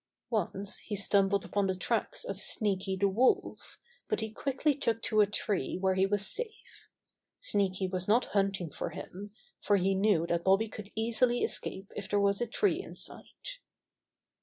Once he stumbled upon the tracks of Sneaky the Wolf, but he quickly took to a tree where he was safe. Sneaky was not hunting for him, for he knew that Bobby could easily escape if there was a tree in sight.